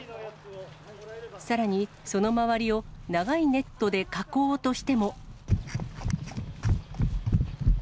さらに、その周りを長いネットで囲おうとしても。